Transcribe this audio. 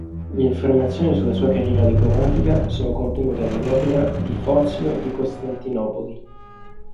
Le informazioni sulla sua carriera diplomatica sono contenute nell'opera di Fozio di Costantinopoli.